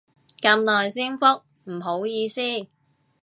咁耐先覆，唔好意思